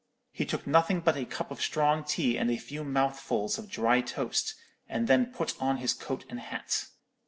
He took nothing but a cup of strong tea and a few mouthfuls of dry toast, and then put on his coat and hat.